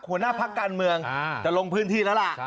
หัวหน้าพักการเมืองจะลงพื้นที่แล้วล่ะ